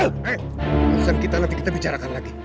eh barusan nanti kita bicarakan lagi